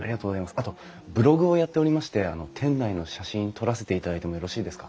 あとブログをやっておりまして店内の写真撮らせていただいてもよろしいですか？